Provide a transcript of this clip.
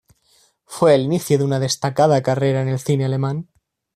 Fue el inicio de una destacada carrera en el cine alemán.